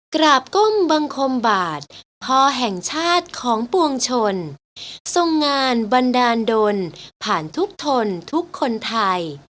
กราบก้มบังคมบาทพอแห่งชาติของปวงชนทรงงานบันดาลดนผ่านทุกทนทุกคนไทย